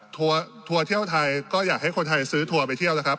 ทัวร์เที่ยวไทยก็อยากให้คนไทยซื้อทัวร์ไปเที่ยวแล้วครับ